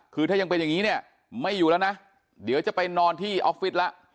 คือถ้ายังเป็นอย่างนี้เนี่ยไม่อยู่แล้วนะเดี๋ยวจะไปนอนที่ออฟฟิศแล้ว